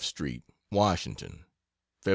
STREET WASHINGTON Feb.